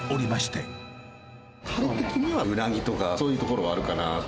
たれ的にはウナギとか、そういうところはあるかなと。